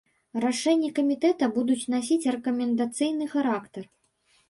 Рашэнні камітэта будуць насіць рэкамендацыйны характар.